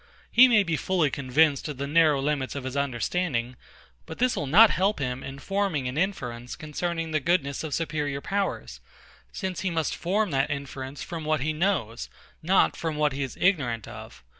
He may be fully convinced of the narrow limits of his understanding; but this will not help him in forming an inference concerning the goodness of superior powers, since he must form that inference from what he knows, not from what he is ignorant of.